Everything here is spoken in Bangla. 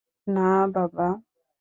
না, বাবা!